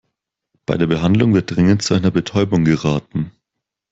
Bei der Behandlung wird dringend zu einer Betäubung geraten.